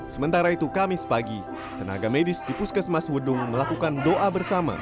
sementara itu kamis pagi tenaga medis di puskesmas wedung melakukan doa bersama